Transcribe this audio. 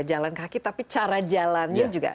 jalan kaki tapi cara jalannya juga